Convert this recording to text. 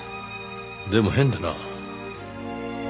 でも変だな。